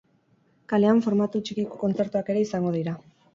Kalean formatu txikiko kontzertuak ere izango dira.